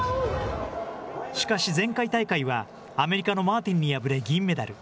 しかし、前回大会はアメリカのマーティンに敗れ銀メダル。